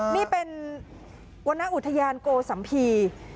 นี่เป็นวรรณอุทยานโกสัมภีร์